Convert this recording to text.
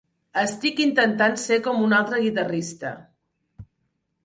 Estic intentant ser com un altre guitarrista.